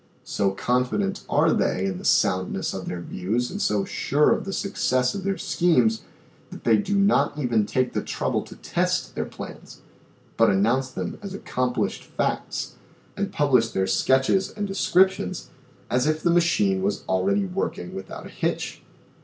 So confident are they in the soundness of their views and so sure of the suc cess of their schemes that they do not even take the trouble to test their plans but announce them as accomplished facts, and publish their sketches and descriptions as if the machine was already working without a hitch.